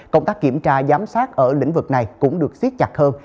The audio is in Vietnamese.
công tác kiểm tra giám sát ở lĩnh vực này cũng được siết chặt hơn